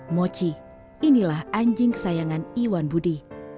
mochi inilah anjing kesayangan iwan budi